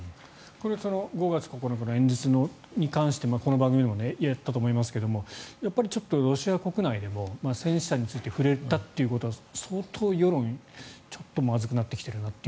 ５月９日の演説に関してこの番組でもやったと思いますがちょっとロシア国内でも戦死者に触れたということは相当世論、ちょっとまずくなってきているなと。